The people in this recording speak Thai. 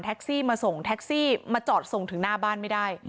มาส่งแท็กซี่มาจอดส่งถึงหน้าบ้านไม่ได้